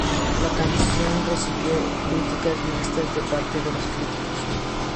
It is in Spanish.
La canción recibió críticas mixtas de parte de los críticos.